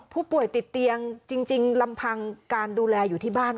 ผู้ป่วยติดเตียงจริงลำพังการดูแลอยู่ที่บ้าน